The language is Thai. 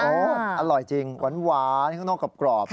อร่อยจริงหวานข้างนอกกรอบ